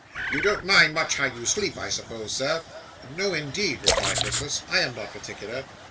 'You don't much mind how you sleep, I suppose, sir?' No, indeed,' replied Nicholas, 'I am not particular.